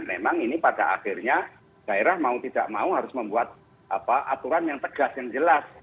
memang ini pada akhirnya daerah mau tidak mau harus membuat aturan yang tegas yang jelas